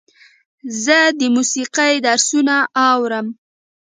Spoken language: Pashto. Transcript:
زه د موسیقۍ درسونه اورم.